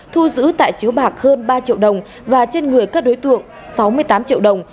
thu giữ tại chiếu bạc hơn ba triệu đồng và trên người các đối tượng sáu mươi tám triệu đồng